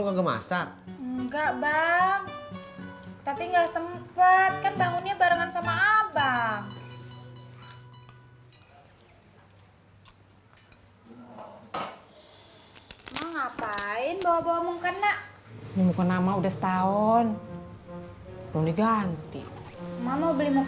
uang emak kan banyak di bank